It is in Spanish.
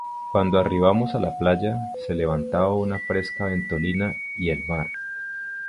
cuando arribamos a la playa, se levantaba una fresca ventolina, y el mar